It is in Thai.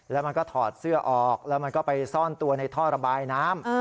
แล้วมันก็ถอดเสื้อออกแล้วมันก็ไปซ่อนตัวในท่อระบายน้ำ